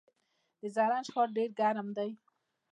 د زرنج ښار ډیر ګرم دی